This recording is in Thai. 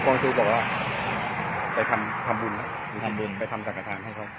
อุกองชูบอกว่าไปทำภาพบุญนะไปทำสังกระทางให้เขา